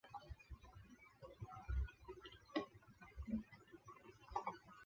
盾叶粗筒苣苔为苦苣苔科粗筒苣苔属下的一个种。